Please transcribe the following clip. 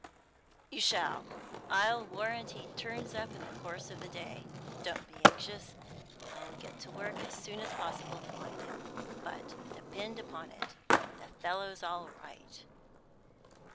"You shall. I'll warrant he turns up in the course of the day. Don't be anxious: I'll get to work as soon as possible to find him; but, depend upon it, the fellow's all right."